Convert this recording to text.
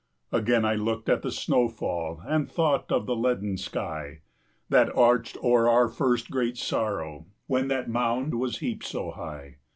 Again I looked at the snow fall, 25 And thought of the leaden sky That arched o'er our first great sorrow, When that mound was heaped so high.